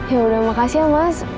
yaudah makasih ya mas